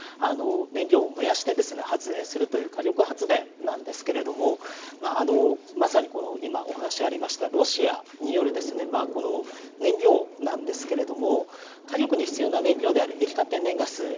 燃料を燃やして発電するという火力発電なんですけれどもまさに今、お話ありましたロシアによる燃料なんですけど火力に必要な燃料である液化天然ガス。